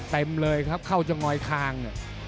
เต็มเลยครับเข้าจะงอยคาง